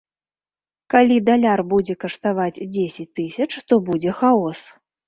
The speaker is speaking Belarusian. Калі даляр будзе каштаваць дзесяць тысяч, то будзе хаос.